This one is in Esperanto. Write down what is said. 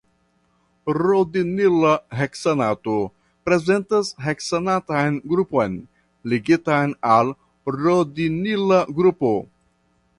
Rodinila heksanato prezentas heksanatan grupon ligitan al rodinila grupo.